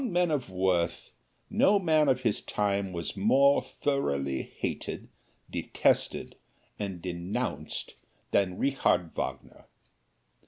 Among men of worth, no man of his time was more thoroughly hated, detested and denounced than Richard Wagner.